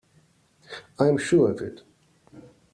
I am sure of it.